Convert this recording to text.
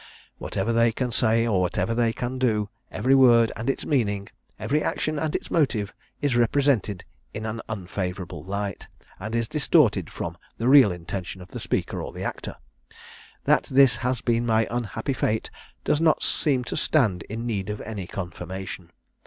Whatever they can say or whatever they can do, every word and its meaning, every action and its motive, is represented in an unfavourable light, and is distorted from the real intention of the speaker or the actor. That this has been my unhappy fate, does not seem to stand in need of any confirmation.